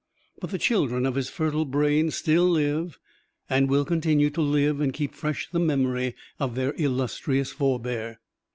But the children of his fertile brain still live and will continue to live and keep fresh the memory of their illustrious forebear.